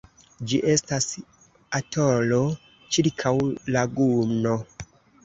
Ĝi estas atolo ĉirkaŭ laguno.